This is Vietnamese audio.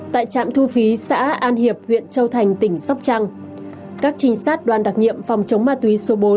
tại trạm thu phí xã an hiệp huyện châu thành tỉnh sóc trăng các trình sát đoàn đặc nhiệm phòng chống ma túy số bốn